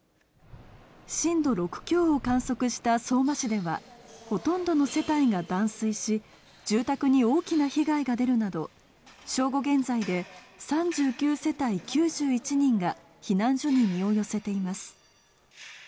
震度６強を観測した相馬市では、ほとんどの世帯が断水し、住宅に大きな被害が出るなど、正午現在で３９世帯９１人が避難所に身を寄せています。